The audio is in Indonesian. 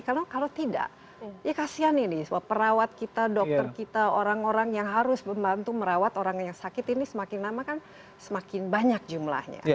kalau tidak ya kasihan ini perawat kita dokter kita orang orang yang harus membantu merawat orang yang sakit ini semakin lama kan semakin banyak jumlahnya